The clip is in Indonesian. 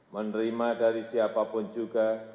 menerima dari siapapun juga